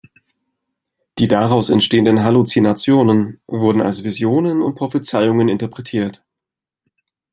Die daraus entstehenden Halluzinationen wurden als Visionen und Prophezeiungen interpretiert.